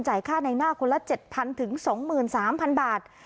ค่าในหน้าคนละ๗๐๐ถึง๒๓๐๐บาท